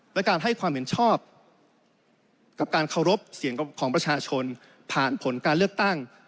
และการให้ความเห็นชอบกับการเคารพเสียงของประชาชนผ่านผลการเลือกตั้ง